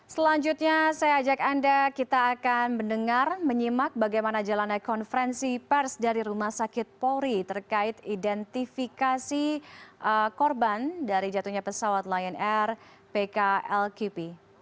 selanjutnya saya ajak anda kita akan mendengar menyimak bagaimana jalannya konferensi pers dari rumah sakit polri terkait identifikasi korban dari jatuhnya pesawat lion air pklkp